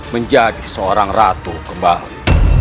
menjadi seorang ratu kembali